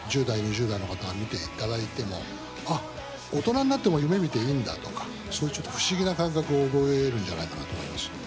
１０代、２０代の方が見ていただいても、あっ、大人になっても夢みていいんだとか、そういうちょっと不思議な感覚を覚えるんじゃないかなと思います。